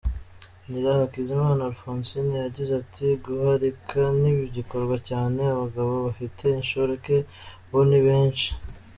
Nyirahakizimana Alphonsine yagize ati “Guharika ntibigikorwa cyane, abagabo bafite inshoreke bo ni benshi.